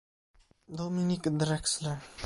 Dominick Drexler